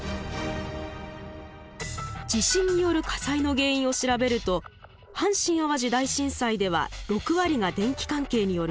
地震による火災の原因を調べると阪神・淡路大震災では６割が電気関係によるもの。